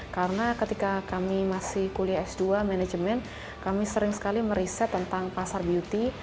karena ketika kami masih kuliah s dua management kami sering sekali meriset tentang pasar beauty